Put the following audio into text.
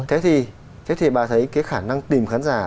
thế thì bà thấy cái khả năng tìm khán giả